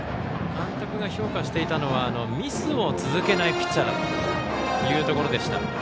監督が評価していたのはミスを続けないピッチャーだというところでした。